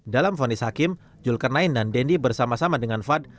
dalam vonis hakim julkernain dan dendi bersama sama dengan fad